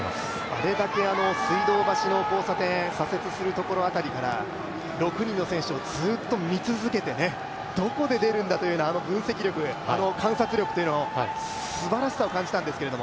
あれだけ水道橋の交差点を左折するところ辺りから６人の選手をずっと見続けてどこで出るんだという、あの分析力あの観察力のすばらしさを感じたんですけど。